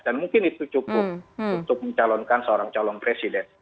dan mungkin itu cukup untuk mencalonkan seorang calon presiden